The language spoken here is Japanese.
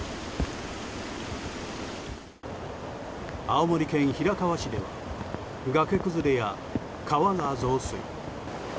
青森県平川市では崖崩れや川が増水。